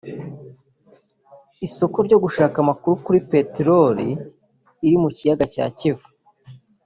Isoko ryo gushaka amakuru kuri peterori iri mu kiyaga cya Kivu